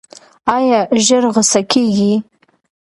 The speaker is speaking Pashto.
ایا ژر غوسه کیږئ؟